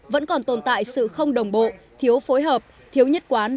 vẫn còn tồn tại sự không đồng bộ thiếu phối hợp thiếu nhất quán